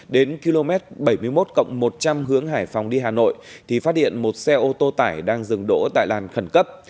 đến km bảy mươi một một trăm linh hướng hải phòng đi hà nội thì phát hiện một xe ô tô tải đang dừng đỗ tại làn khẩn cấp